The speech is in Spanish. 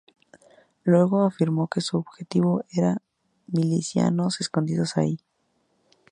Luego afirmó que su objetivo eran milicianos escondidos allí.